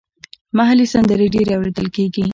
محلي سندرې ډېرې اوریدل کیږي.